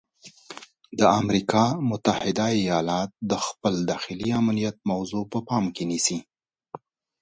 د امریکا متحده ایالات خپل داخلي امنیت موضوع په پام کې نیسي.